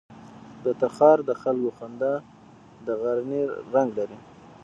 د تخار د خلکو خندا د غرنی رنګ لري.